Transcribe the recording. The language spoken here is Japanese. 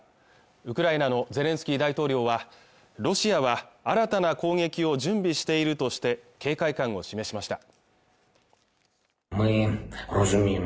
ウクライナのゼレンスキー大統領はロシアは新たな攻撃を準備しているとして警戒感を示しました